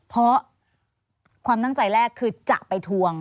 เพราะความตั้งใจแรกคือจะไปทวง